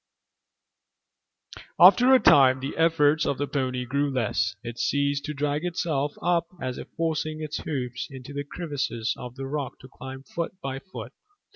After a time the efforts of the pony grew less; it ceased to drag itself up as if forcing its hoofs into the crevices of the rock to climb foot by foot.